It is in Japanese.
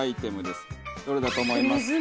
どれだと思いますか？